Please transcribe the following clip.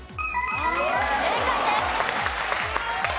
正解です。